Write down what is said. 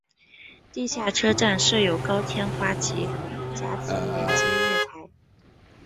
地下车站设有高天花及夹层连接月台。